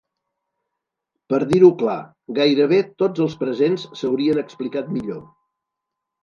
Per dir-ho clar, gairebé tots els presents s'haurien explicat millor.